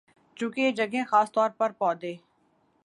چونکہ یہ جگہیں خاص طور پر پودے